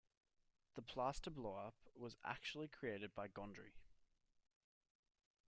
The plaster blow-up was actually created by Gondry.